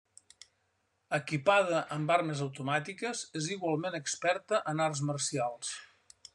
Equipada amb armes automàtiques, és igualment experta en arts marcials.